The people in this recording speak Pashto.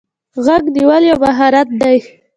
غوږ نیول یو مهارت دی.